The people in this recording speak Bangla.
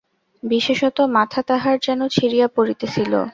বিশেষত মাথা তাহার যেন ছিড়িয়া পড়িতেছিল।